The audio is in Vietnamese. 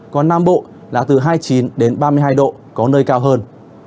còn nam bộ là từ hai mươi chín đến ba mươi hai độ có nơi cao hơn